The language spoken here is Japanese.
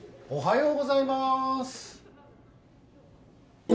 おおはようございます。